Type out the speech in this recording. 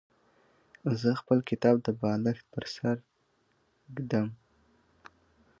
زه خپل کتاب د بالښت پر سر ایښی دی.